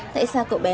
tại sao cậu bé